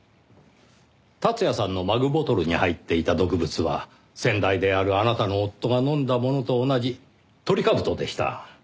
達也さんのマグボトルに入っていた毒物は先代であるあなたの夫が飲んだものと同じトリカブトでした。